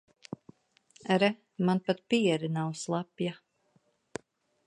Re, man pat piere nav slapja.